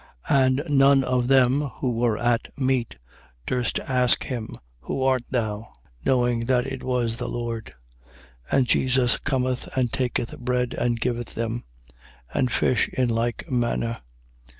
And none of them who were at meat, durst ask him: Who art thou? Knowing that it was the Lord. 21:13. And Jesus cometh and taketh bread and giveth them: and fish in like manner.